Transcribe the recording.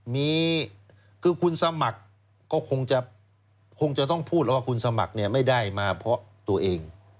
มีคือคุณสมัครก็คงจะคงจะต้องพูดแล้วว่าคุณสมัครเนี่ยไม่ได้มาเพราะตัวเอง